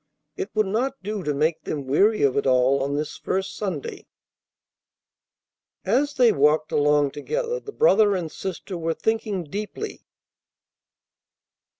It would not do to make them weary of it all on this first Sunday. As they walked along together, the brother and sister were thinking deeply.